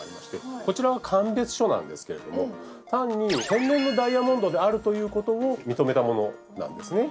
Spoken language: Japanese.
こちらは鑑別書なんですけれども単に天然のダイヤモンドであるということを認めたものなんですね。